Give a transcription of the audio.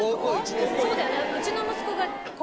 そうだよね。